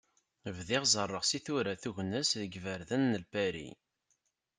Bdiɣ ẓerreɣ si tura tugna-s deg yiberdan n Lpari.